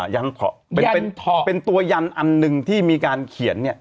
ยังเป็นตัวยันอันหนึ่งที่มีการเขียน